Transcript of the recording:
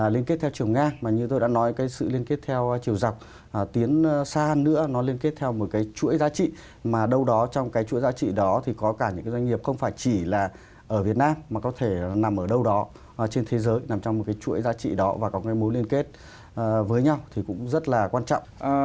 liên kết theo chiều ngang mà như tôi đã nói cái sự liên kết theo chiều dọc tiến xa nữa nó liên kết theo một cái chuỗi giá trị mà đâu đó trong cái chuỗi giá trị đó thì có cả những cái doanh nghiệp không phải chỉ là ở việt nam mà có thể nằm ở đâu đó trên thế giới nằm trong một cái chuỗi giá trị đó và có cái mối liên kết với nhau thì cũng rất là quan trọng